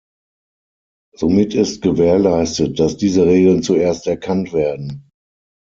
Somit ist gewährleistet, dass diese Regeln zuerst erkannt werden.